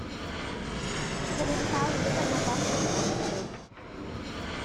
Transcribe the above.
Gofynnir i bawb wisgo'n addas ar gyfer y tywydd